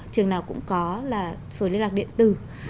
trường nào cũng có là sổ liên lạc điện tử